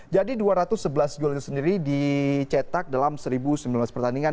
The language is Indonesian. jadi dua ratus sebelas gol itu sendiri dicetak dalam seribu sembilan belas pertandingan